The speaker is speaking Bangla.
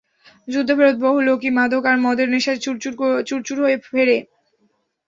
যুদ্ধফেরত বহু লোকই মাদক আর মদের নেশায় চুরচুর হয়ে ফেরে।